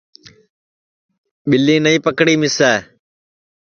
ٻیلی نائی پکڑی مِسے